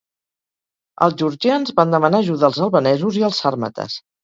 Els georgians van demanar ajuda als albanesos i als sàrmates.